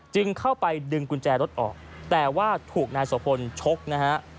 จึงเข้าไปดึงกุญแจรถออกแต่ว่าถูกนายโสพลชกนะฮะ